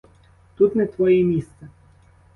Тут не твоє місце!